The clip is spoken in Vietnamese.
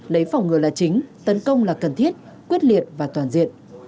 lấy phòng ngừa là chính tấn công là cần thiết quyết liệt và toàn diện